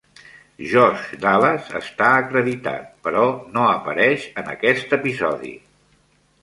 Josh Dallas està acreditat, però no apareix en aquest episodi.